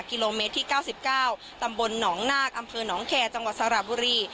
กิโลเมตรที่เก้าสิบเก้าตำบลหนองนาคอำเฟอร์หนองแคจังหวัดสระบุรี